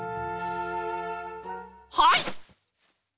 はい！